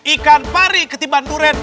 ikan pari ketibaan duren